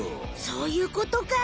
そういうことか。